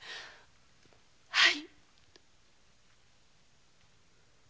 はい。